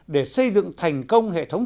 để xây dựng thành công hệ thống